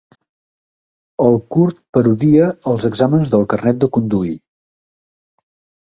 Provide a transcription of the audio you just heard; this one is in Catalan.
El curt parodia els exàmens del carnet de conduir.